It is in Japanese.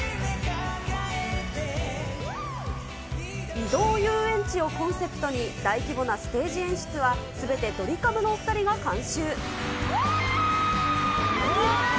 移動遊園地をコンセプトに、大規模なステージ演出は、すべてドリカムの２人が監修。